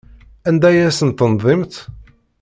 Anda ay asen-tendimt?